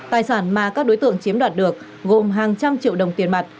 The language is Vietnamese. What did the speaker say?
tài sản mà các đối tượng chiếm đoạt được gồm hàng trăm triệu đồng tiền mặt